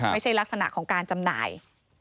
ลักษณะของการจำหน่าย